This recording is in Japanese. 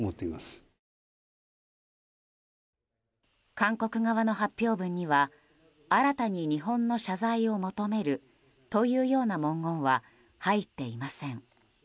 韓国側の発表文には、新たに日本の謝罪を求めるというような文言は入っていません。